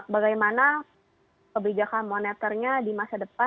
bagaimana kebijakan moneternya di masa depan